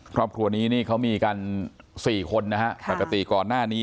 ครอบครัวนี้นี่เขามีกันสี่คนนะฮะปกติก่อนหน้านี้